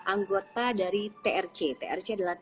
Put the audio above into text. anggota dari trc trc adalah